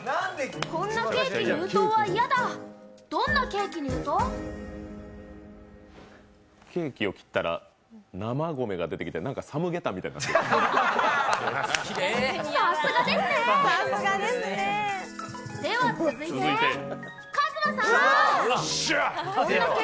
ケーキを切ったら生米が出てきてなんかサムゲタンみたいになってる。